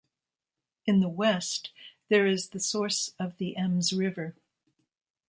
In the west there is the source of the Ems river.